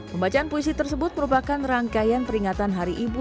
pembacaan puisi tersebut merupakan rangkaian peringatan hari ibu